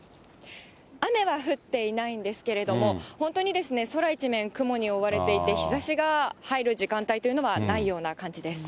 雨は降っていないんですけれども、本当に空一面、雲に覆われていて、日ざしが入る時間帯というのはないような感じです。